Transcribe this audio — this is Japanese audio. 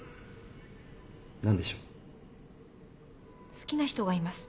好きな人がいます。